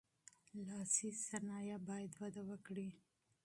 لاسي صنایع باید وده وکړي.